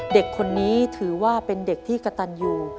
เด็กคนนี้ถือว่าเป็นเด็กที่กระตันอยู่